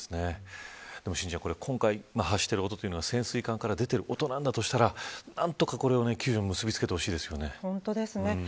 心ちゃん、今回発している音が潜水艦から出ている音なんだとしたら何とか救助に本当ですね。